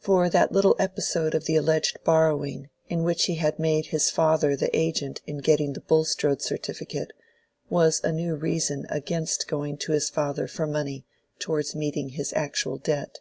For that little episode of the alleged borrowing, in which he had made his father the agent in getting the Bulstrode certificate, was a new reason against going to his father for money towards meeting his actual debt.